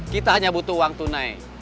kita hanya butuh uang tunai